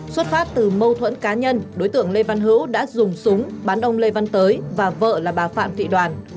xuất phát từ mâu thuẫn cá nhân đối tượng lê văn hữu đã dùng súng bắn ông lê văn tới và vợ là bà phạm thị đoàn